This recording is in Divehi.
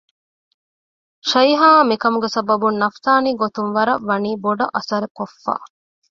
ޝައިހާއަށް މިކަމުގެ ސަބަބުން ނަފްސާނީ ގޮތުން ވަރަށް ވަނީ ބޮޑަށް އަސަރު ކޮއްފަ